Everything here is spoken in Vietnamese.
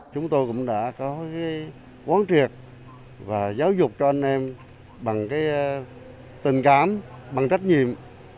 chúng tôi cũng đã có quán triệt và giáo dục cho anh em bằng tình cảm bằng trách nhiệm